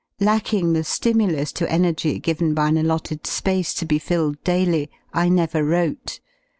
Lacking the stimulus to energy given by an allotted space to be filled daily y I never wrote.